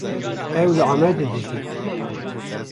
Ew li Amedê dijî.